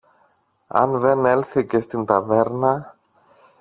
αν δεν έλθει και στην ταβέρνα;